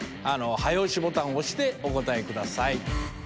早押しボタンを押してお答え下さい。